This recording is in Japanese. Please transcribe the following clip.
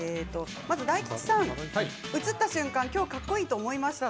大吉さん映った瞬間きょうかっこいいと思いました。